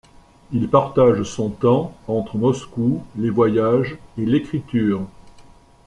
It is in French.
Il partage son temps entre Moscou, les voyages et l'écriture.